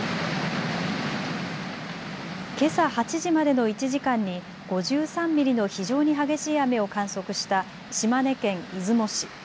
けさ８時までの１時間に５３ミリの非常に激しい雨を観測した島根県出雲市。